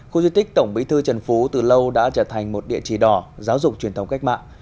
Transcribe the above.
khu di tích tổng bí thư trần phú từ lâu đã trở thành một địa chỉ đỏ giáo dục truyền thống cách mạng